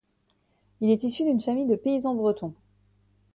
Il est issu d'une famille de paysans bretons.